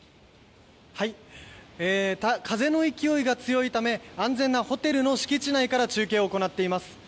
風の勢いが強いため安全なホテルの敷地内から中継を行っています。